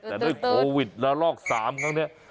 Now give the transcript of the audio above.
แต่ด้วยโควิดละลอก๓ครั้งนี้